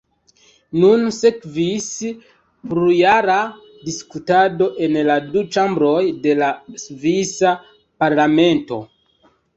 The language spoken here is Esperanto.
Nun sekvis plurjara diskutado en la du ĉambroj de la svisa parlamento.